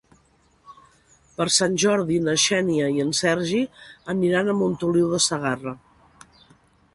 Per Sant Jordi na Xènia i en Sergi aniran a Montoliu de Segarra.